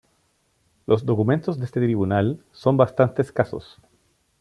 Los documentos de este tribunal son bastante escasos.